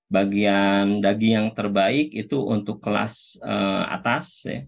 bagian daging yang terbaik itu untuk kelas atas